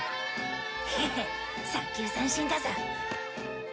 ヘヘッ三球三振だぞ。